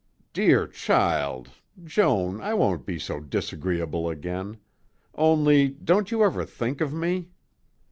"Dear child! Joan, I won't be so disagreeable again. Only, don't you ever think of me?"